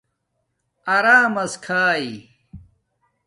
ارمس کھائ